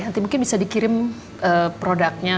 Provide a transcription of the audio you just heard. nanti mungkin bisa dikirim produknya